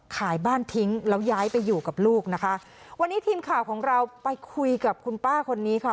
ขายบ้านทิ้งแล้วย้ายไปอยู่กับลูกนะคะวันนี้ทีมข่าวของเราไปคุยกับคุณป้าคนนี้ค่ะ